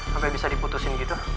sampai bisa diputusin gitu